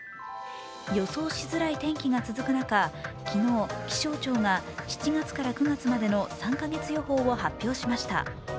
予想しづらい天気が続く中、昨日、気象庁が７月か９月までの３か月予報を発表しました。